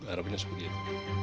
harapnya seperti itu